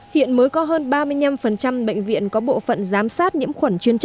hiện mới có hơn ba mươi năm bệnh viện có bộ phận giám sát nhiễm khuẩn